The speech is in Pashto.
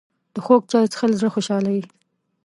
د خوږ چای څښل زړه خوشحالوي